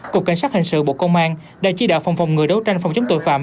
cục cảnh sát hình sự bộ công an đã chỉ đạo phòng phòng ngừa đấu tranh phòng chống tội phạm